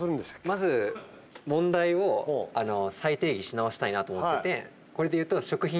まず問題を再定義し直したいなと思ってて。